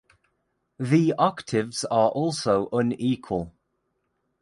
The octaves are also unequal.